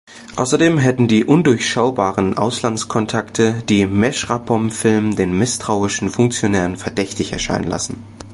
Außerdem hätten die undurchschaubaren Auslandskontakte die Meschrabpom-Film den misstrauischen Funktionären verdächtig erscheinen lassen.